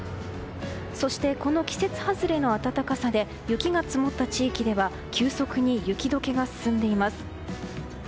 そしてこの季節外れの暖かさで雪が積もった地域では急速に雪解けが進んでいます。